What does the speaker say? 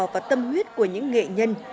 và tâm huyết của những nghệ nhân